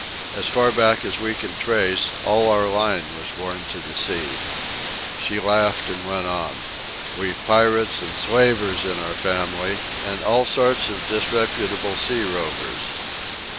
As far back as we can trace all our line was born to the sea." She laughed and went on. "We've pirates and slavers in our family, and all sorts of disreputable sea rovers.